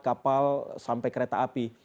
kapal sampai kereta api